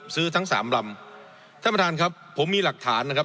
ทั้งสามลำท่านประธานครับผมมีหลักฐานนะครับ